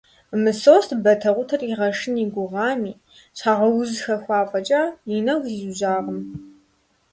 Мысост батэкъутэр игъэшын и гугъами, щхьэгъэуз хэхуа фӀэкӀа, и нэгу зиужьакъым.